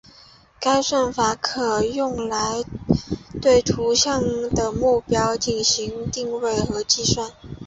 该算法可用来对图像的目标进行定位和计数。